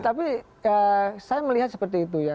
tapi saya melihat seperti itu ya